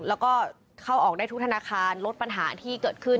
แล้วก็เข้าออกได้ทุกธนาคารลดปัญหาที่เกิดขึ้น